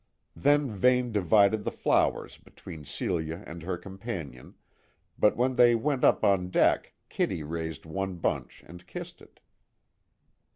Then Vane divided the flowers between Celia and her companion, but when they went up on deck Kitty raised one bunch and kissed it.